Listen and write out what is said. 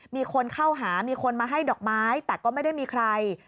มีคนเข้าหามีคนมาให้ดอกไม้แต่ก็ไม่ได้มีใคร